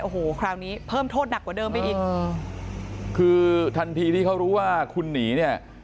โอ้โหคราวนี้เพิ่มโทษหนักกว่าเดิมไปอีกคือทันทีที่เขารู้ว่าคุณหนีเนี่ย